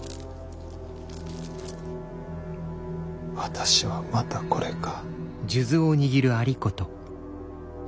私はまたこれか。